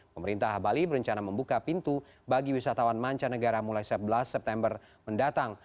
pemerintah bali berencana membuka pintu bagi wisatawan manca negara mulai tujuh belas september mendatang